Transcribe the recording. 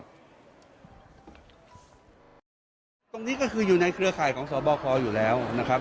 ตรงนี้ก็คืออยู่ในเครือข่ายของสบคอยู่แล้วนะครับ